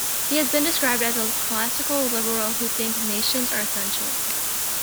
He has been described as "a classical liberal who thinks nations are essential".